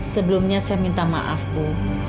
sebelumnya saya minta maaf bu